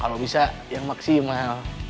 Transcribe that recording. kalau bisa yang maksimal